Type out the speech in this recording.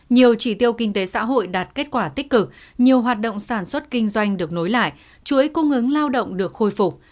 nhiều chỉ tiêu kinh tế xã hội đạt kết quả tích cực nhiều hoạt động sản xuất kinh doanh được nối lại chuỗi cung ứng lao động được khôi phục